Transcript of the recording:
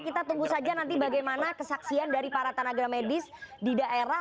kita tunggu saja nanti bagaimana kesaksian dari para tenaga medis di daerah